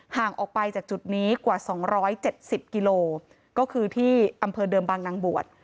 ห่างออกไปจากจุดนี้กว่า๒๗๐กิโลก็คือที่อำเภอเดิมบางนางบวช